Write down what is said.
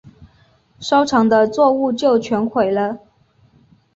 收成的作物就全毁了